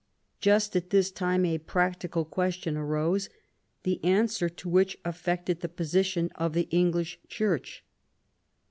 Just at this time a practical question arose, the answer to which affected the position of the English Church.